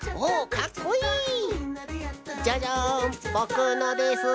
じゃじゃん！ぼくのです。